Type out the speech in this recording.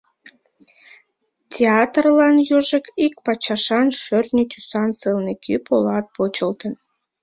Театрлан йожек ик пачашан шӧртньӧ тӱсан сылне кӱ полат почылтын.